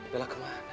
bella kemana ya